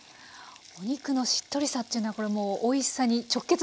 お肉のしっとりさっていうのはこれもうおいしさに直結しますもんね。